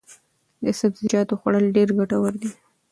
د سبزیجاتو خوړل ډېر ګټور دي.